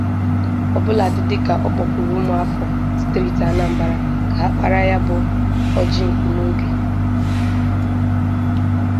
ọbụladị dịka ọ kpọkuru ụmụafọ steeti Anambra ka ha kpara ya bụ ọjị nkụ n'oge